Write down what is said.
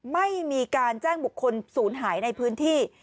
ไม่มีการแจ้งบุคคลศูนย์หายในพื้นที่